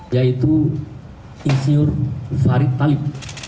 yaitu isyur farid talib